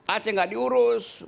aceh nggak diurus